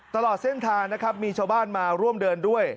ตลอดเส้นทางนะครับมีชาวบ้านมาร่วมเดินด้วย